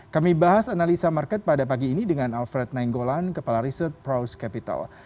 kami bahas analisa market pada pagi ini dengan alfred nainggolan kepala riset proust capital